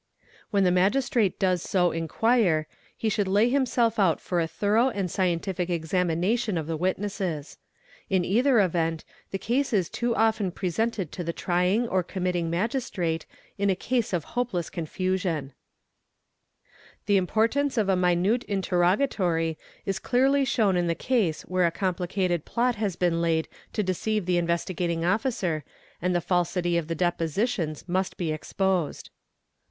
When the Magistrate does so inquire, he should lay himself out for a thorough and scientific examination of the witnesses. In either event, the case is too often presented to the trying or committing Magistrate in a state of hopeless confusion"™. | The importance of a minute interrogatory is clearly shown in the— case where a complicated plot has been laid to deceive the Investigating Officer and the falsity of the depositions must be exposed.